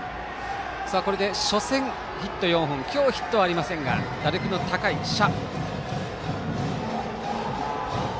初戦ヒット４本今日ヒットはありませんが打力の高い謝。